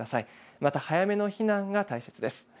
また早めの避難が大切です。